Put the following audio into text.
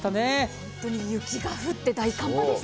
本当に雪が降って、大寒波でした。